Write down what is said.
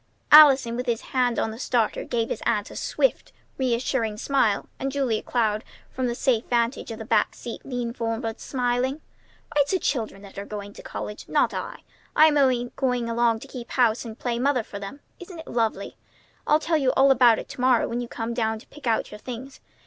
Allison with his hand on the starter gave his aunt a swift, reassuring smile; and Julia Cloud from the safe vantage of the back seat leaned forward, smiling. "Why, it's the children that are going to college, Ellen, not I. I'm only going along to keep house and play mother for them. Isn't it lovely? I'll tell you all about it to morrow when you come down to pick out your things.